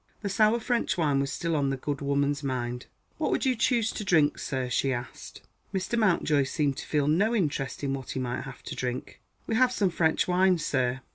The sour French wine was still on the good woman's mind. "What would you choose to drink, sir?" she asked. Mr. Mountjoy seemed to feel no interest in what he might have to drink. "We have some French wine, sir."